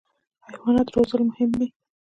حیوانات روزل مهم دي.